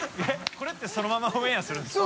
海譴辰そのままオンエアするんですか？